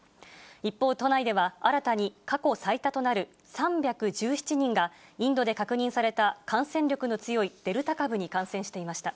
一方、都内では新たに過去最多となる３１７人が、インドで確認された感染力の強いデルタ株に感染していました。